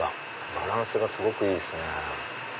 バランスがすごくいいですね。